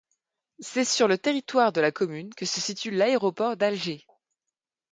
C’est sur le territoire de la commune que se situe l'aéroport d'Alger.